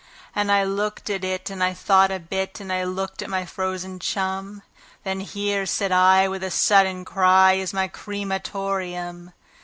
And I looked at it, and I thought a bit, and I looked at my frozen chum; Then "Here", said I, with a sudden cry, "is my cre ma tor eum."